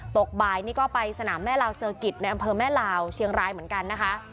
ตกบ่ายนี่ก็ไปสนามแม่ลาวเซอร์กิจในอำเภอแม่ลาวเชียงรายเหมือนกันนะคะ